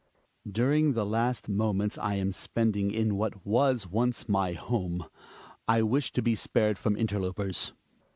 During the last moments I am spending in what was once my home Ijvished to be spared from interlopers.